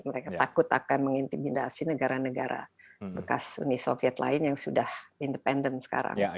mereka takut akan mengintimidasi negara negara bekas uni soviet lain yang sudah independen sekarang